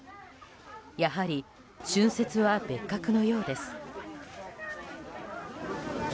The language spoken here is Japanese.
やはり、春節は別格のようです。